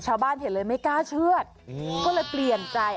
ชาวบ้านเห็นเลยไม่กล้าเชื่อก็เลยเปลี่ยนใจ